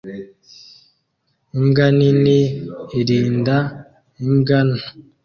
Imbwa nini irinda imbwa nto